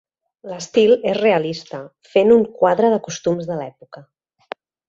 L'estil és realista, fent un quadre de costums de l'època.